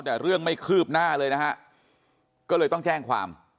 แต่เรื่องไม่คืบหน้าเลยนะฮะก็เลยต้องแจ้งความ